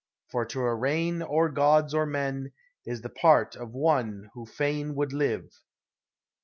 for to arraign or gods or men is the part of one who fain would live.